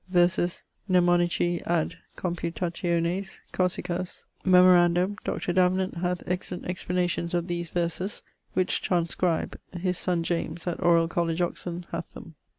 Versus mnemonici ad computationes cossicas. Memorandum: Dr. Davenant hath excellent explanations of these verses, which transcribe: his son James[DM], at Oriel College Oxon, hath them.